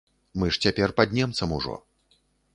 Мы ж цяпер пад немцам ужо.